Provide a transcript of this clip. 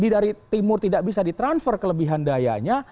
dari timur tidak bisa di transfer kelebihan dayanya